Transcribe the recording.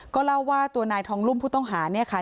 ก็เล่าว่าตัวนายทองรุ่มผู้ต้องหาเนี่ยค่ะ